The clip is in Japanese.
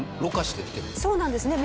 そうなんですね。